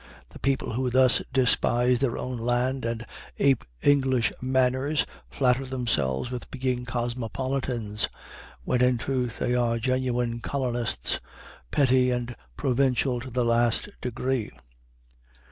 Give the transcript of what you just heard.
The people who thus despise their own land, and ape English manners, flatter themselves with being cosmopolitans, when in truth they are genuine colonists, petty and provincial to the last degree.